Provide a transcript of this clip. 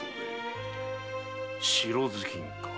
白頭巾か。